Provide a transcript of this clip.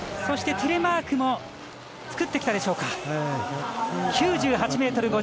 そしてテレマークも作ってきたでしょうか。